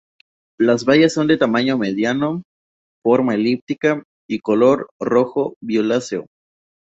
Las bayas son de tamaño mediano, forma elíptica y color rojo-violáceo.